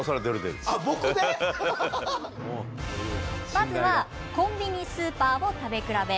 まずは、コンビニ、スーパーを食べ比べ。